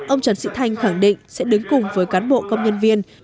ông trần sĩ thanh khẳng định sẽ đứng cùng với cán bộ công nhân viên